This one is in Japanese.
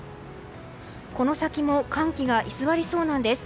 この先も寒気が居座りそうなんです。